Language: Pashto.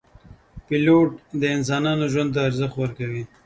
پیلوټ د انسانانو ژوند ته ارزښت ورکوي.